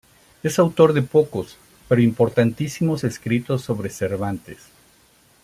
Es autor de pocos pero importantísimos escritos sobre Cervantes.